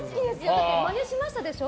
だってまねしましたでしょ？